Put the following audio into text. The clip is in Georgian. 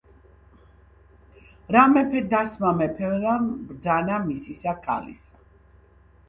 რა მეფედ დასმა მეფემან ბრძანა მისისა ქალისა,